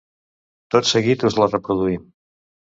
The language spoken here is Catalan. Tot seguit us la reproduïm.